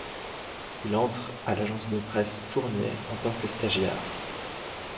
Il entre à l’agence de presse Fournier en tant que stagiaire.